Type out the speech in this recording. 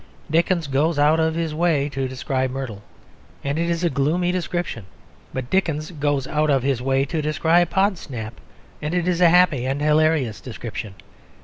Dickens goes out of his way to describe Merdle; and it is a gloomy description. But Dickens goes out of his way to describe Podsnap, and it is a happy and hilarious description.